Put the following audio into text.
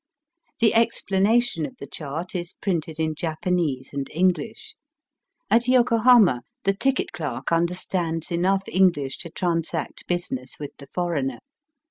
The expla nation of the chart is printed in Japanese and English. At Yokohama the ticket clerk understands enough English to transact business with the foreigner.